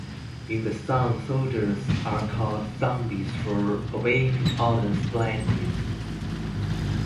In the song, soldiers are called zombies for obeying orders blindly.